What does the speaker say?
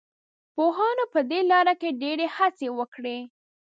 پوهانو په دې لاره کې ډېرې هڅې وکړې.